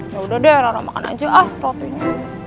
yaudah deh rara makan aja ah rotinya